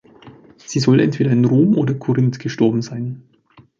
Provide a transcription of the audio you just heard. Sie soll entweder in Rom oder Korinth gestorben sein.